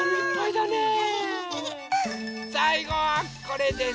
さいごはこれです。